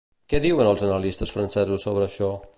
Què diuen els analistes francesos sobre això?